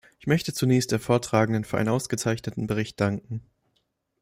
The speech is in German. Ich möchte zunächst der Vortragenden für einen ausgezeichneten Bericht danken.